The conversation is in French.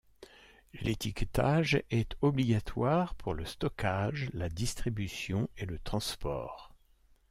L’étiquetage est obligatoire pour le stockage, la distribution et le transport.